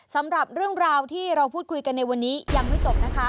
สำหรับเรื่องราวที่เราพูดคุยกันในวันนี้ยังไม่จบนะคะ